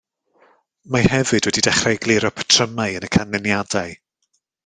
Mae hefyd wedi dechrau egluro patrymau yn y canlyniadau